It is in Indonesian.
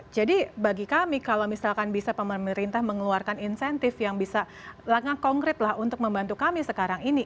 jadi bagi kami kalau misalkan bisa pemerintah mengeluarkan insentif yang bisa langkah konkret lah untuk membantu kami sekarang ini